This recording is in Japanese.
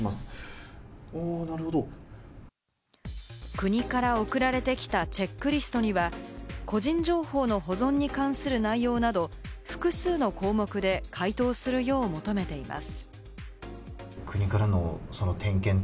国から送られてきたチェックリストには、個人情報の保存に関する内容など複数の項目で回答するよう求めています。